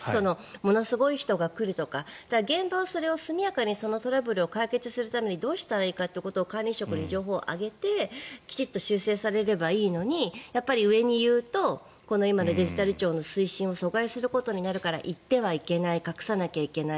ものすごい人が来るとか現場はそれを速やかにそのトラブルを解決するためにどうしたらいいかということを管理職に情報を上げてきちんと修正されればいいのに上に言うと今のデジタル庁の推進を阻害することになるから言ってはいけない隠さなきゃいけない。